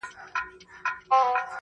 هره بد عمل یې د لوی کندهار